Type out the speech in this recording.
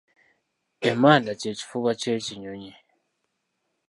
Emmanda kye kifuba ky’ekinyonyi.